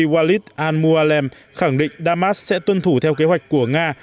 ngoại trưởng citi walid al mualem khẳng định damas sẽ tuân thủ theo kế hoạch của nga